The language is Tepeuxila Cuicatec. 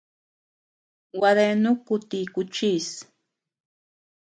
Gua deanu ku ti kuchis.